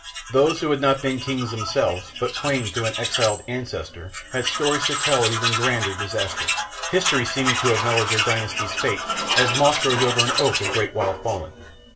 Those who had not been kings themselves, but claimed through an exiled ancestor, had stories to tell of even grander disaster, history seeming to have mellowed their dynasty's fate as moss grows over an oak a great while fallen.